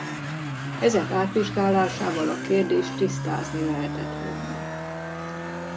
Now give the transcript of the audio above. Ezek átvizsgálásával a kérdést tisztázni lehetett volna.